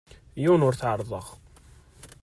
Yiwen ur t-ɛerrḍeɣ.